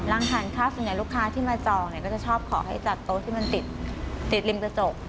ทานข้าวส่วนใหญ่ลูกค้าที่มาจองเนี่ยก็จะชอบขอให้จัดโต๊ะที่มันติดริมกระจก